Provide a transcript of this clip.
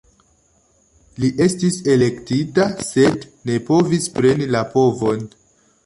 Li estis elektita, sed ne povis preni la povon.